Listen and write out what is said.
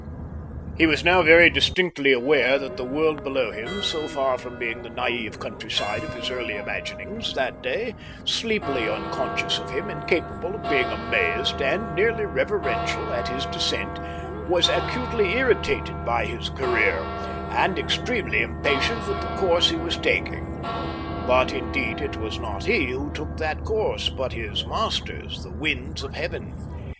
He was now very distinctly aware that the world below him, so far from being the naive countryside of his earlier imaginings that day, sleepily unconscious of him and capable of being amazed and nearly reverential at his descent, was acutely irritated by his career, and extremely impatient with the course he was taking. But indeed it was not he who took that course, but his masters, the winds of heaven.